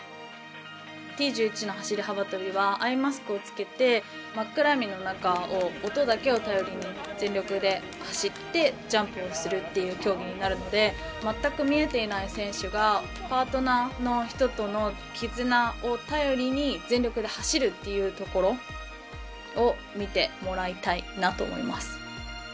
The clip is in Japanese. Ｔ１１の走り幅跳びはアイマスクを着けて真っ暗闇の中を音だけを頼りに全力で走ってジャンプをするっていう競技になるので全く見えていない選手がパートナーの人との絆を頼りに全力で走るっていうところを見てもらいたいなと思います。